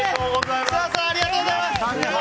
設楽さんありがとうございます！